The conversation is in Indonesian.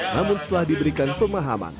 namun setelah diberikan pemahaman